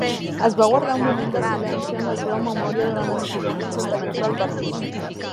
Es va guardar un moment de silencia en la seva memòria durant les cerimònies anteriors al partit.